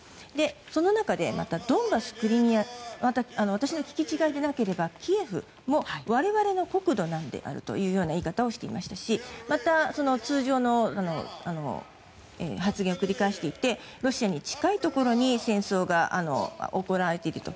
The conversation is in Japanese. その中でどんなクリミア私の聞き違いでなければキーウも我々の国土であるという言い方をしていましたしまた、通常の発言を繰り返していてロシアに近いところで戦争が行われていると。